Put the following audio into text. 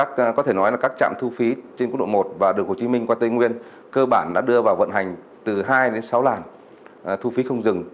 có thể nói là các trạm thu phí trên quốc lộ một và đường hồ chí minh qua tây nguyên cơ bản đã đưa vào vận hành từ hai đến sáu làn thu phí không dừng